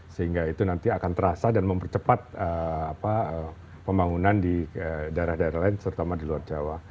sehingga itu nanti akan terasa dan mempercepat pembangunan di daerah daerah lain terutama di luar jawa